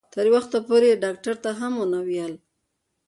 تر یو وخته پورې یې ډاکټر ته هم نه وو ویلي.